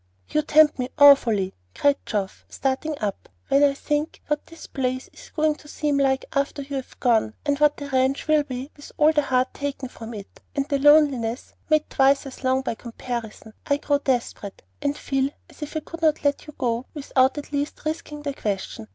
"You tempt me awfully," cried Geoff, starting up. "When I think what this place is going to seem like after you've gone, and what the ranch will be with all the heart taken from it, and the loneliness made twice as lonely by comparison, I grow desperate, and feel as if I could not let you go without at least risking the question.